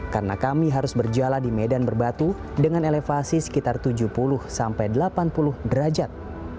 karena kami harus berjalan di medan berbatu dengan elevasi sekitar tujuh puluh sampai delapan puluh derajat